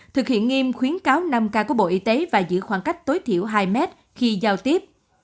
thực hiện nghiêm khuyến cáo năm k của bộ y tế và giữ khoảng cách tối thiểu hai mét khi giao tiếp